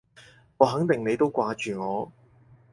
我肯定你都掛住我